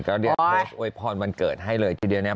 ก็เดี๋ยวโทสก์โอ๊ยพรวัลเกิดให้เลยทีเดียวนะครับ